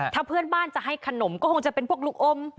ถ้าเพื่อนบ้านจะให้ขนมก็คงจะเป็นพวกลูกอม